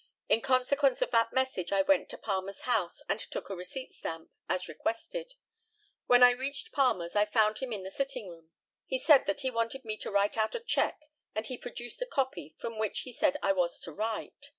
In consequence of that message, I went to Palmer's house, and took a receipt stamp, as requested. When I reached Palmer's, I found him in his sitting room. He said that he wanted me to write out a cheque, and he produced a copy, from which he said I was to write.